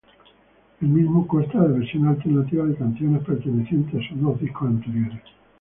El mismo consta de versiones alternativas de canciones pertenecientes a sus dos discos anteriores.